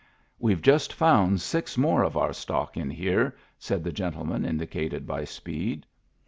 "We've just found six more of our stock in here," said the gentleman indicated by Speed.